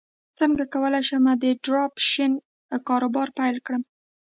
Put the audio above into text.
څنګه کولی شم د ډراپ شپینګ کاروبار پیل کړم